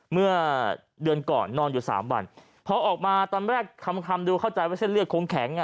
เมื่อเดือนก่อนนอนอยู่สามวันพอออกมาตอนแรกคำคำดูเข้าใจว่าเส้นเลือดคงแข็งอ่ะ